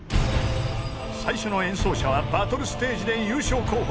［最初の演奏者はバトルステージで優勝候補